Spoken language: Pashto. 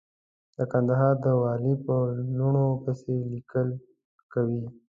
د کندهار د والي په لوڼو پسې ليکل کوي.